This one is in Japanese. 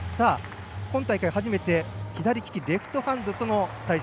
今大会初めて左利き、レフとハンドとの対戦。